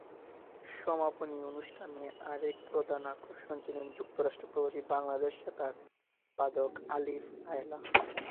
সমাপনী অনুষ্ঠানে আরেক প্রধান আকর্ষণ ছিলেন যুক্তরাষ্ট্রপ্রবাসী বাংলাদেশি সেতার বাদক আলিফ লায়লা।